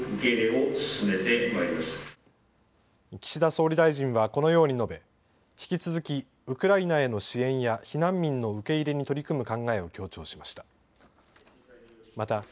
岸田総理大臣はこのように述べ引き続きウクライナへの支援や避難民の受け入れに取り組む考えを強調しました。